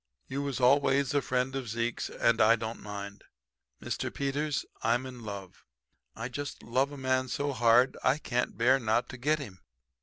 You was always a friend of Zeke's, and I don't mind. Mr. Peters, I'm in love. I just love a man so hard I can't bear not to get him.